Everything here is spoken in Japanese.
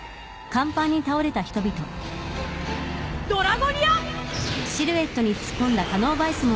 ドラゴニア！